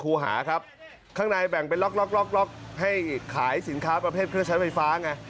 ครูหาครับข้างในแบ่งเป็นล็อกล็อกให้ขายสินค้าประเภทเครื่องใช้ไฟฟ้าไง